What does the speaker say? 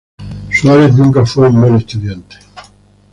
Suárez nunca fue un buen estudiante.